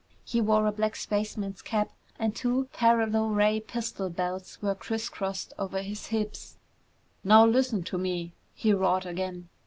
He wore a black spaceman's cap, and two paralo ray pistol belts were crisscrossed over his hips. "Now listen to me!" he roared again.